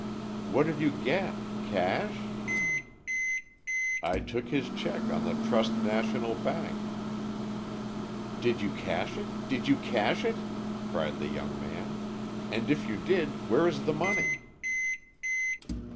"What did you get? Cash?" "I took his cheque on the Trust National Bank." "Did you cash it? Did you cash it?" cried the young man. "And if you did, where is the money?"